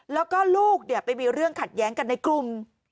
แล้วก็ลูกไปมีเรื่องขัดแย้งกันในกลุ่ม